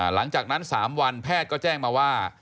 หลังจากนั้น๓วันแพทย์ก็แจ้งมาว่า